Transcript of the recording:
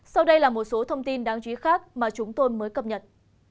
sau đây là một số thông tin đáng chú ý khác mà chúng tôi mới cập nhật